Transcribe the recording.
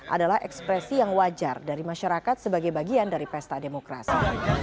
adalah ekspresi yang wajar dari masyarakat sebagai bagian dari pesta demokrasi